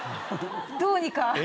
どうにか。